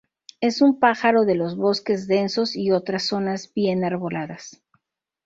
Es un pájaro de los bosques densos y otras zonas bien arboladas.